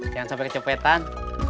jangan sampai kecepetan